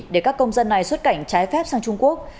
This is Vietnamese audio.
để các công dân này xuất cảnh trái phép sang trung quốc